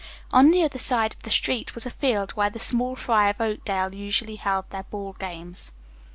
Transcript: On the other side of the street was a field where the small fry of Oakdale usually held their ball games.